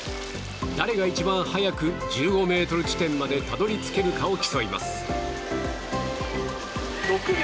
誰が一番速く１５ｍ地点までたどり着けるかを競います。